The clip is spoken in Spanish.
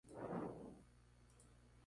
Concluido su mandato, se retiró a Calca.